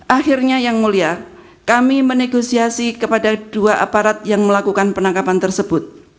akhirnya yang mulia kami menegosiasi kepada dua aparat yang melakukan penangkapan tersebut